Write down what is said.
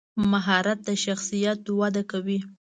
مهارت د شخصیت وده کوي.